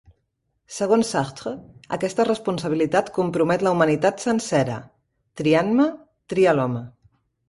Segons Sartre, aquesta responsabilitat compromet la humanitat sencera: «Triant-me, trie l'home».